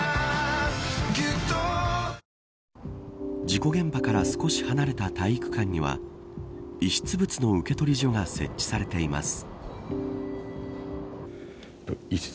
事故現場から少し離れた体育館には遺失物の受取所が設置されています。